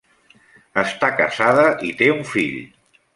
Està casada i té un fill.